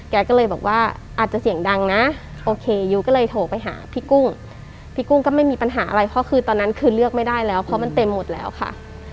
แกก็เลยบอกว่าอาจจะเสียงดังนะโอเคยูก็เลยโทรไปหาพี่กุ้งพี่กุ้งก็ไม่มีปัญหาอะไรเพราะคือตอนนั้นคือเลือกไม่ได้แล้วเพราะมันเต็มหมดแล้วค่ะ